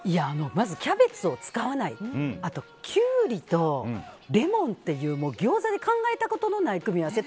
まずキャベツを使わないあと、キュウリとレモンっていうギョーザで考えたことのない組み合わせ。